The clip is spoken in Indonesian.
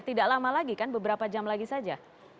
tidak lama lagi kan beberapa jam lagi saja